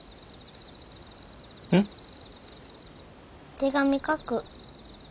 手紙書く。